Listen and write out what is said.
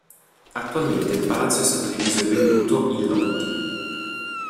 Attualmente il palazzo è stato diviso e venduto in lotti.